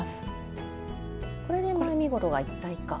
これで前身ごろが一体化？